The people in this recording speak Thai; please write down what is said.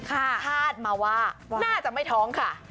คาดมาว่าน่าจะไม่ท้องค่ะ